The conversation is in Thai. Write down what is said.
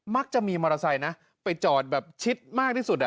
มักจะมีมอเตอร์ไซค์นะไปจอดแบบชิดมากที่สุด